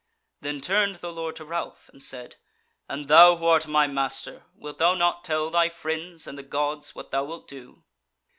Then turned the Lord to Ralph and said: "And thou who art my master, wilt thou not tell thy friends and the Gods what thou wilt do?"